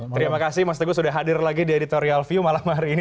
terima kasih mas teguh sudah hadir lagi di editorial view malam hari ini